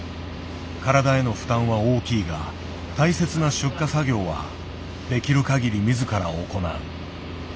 体への負担は大きいが大切な出荷作業はできる限り自ら行う。